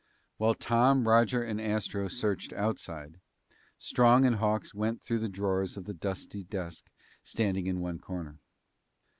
While Tom, Roger, and Astro searched outside, Strong and Hawks went through the drawers of the dusty desk standing in one corner.